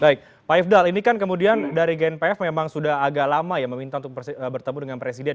baik pak ifdal ini kan kemudian dari gnpf memang sudah agak lama ya meminta untuk bertemu dengan presiden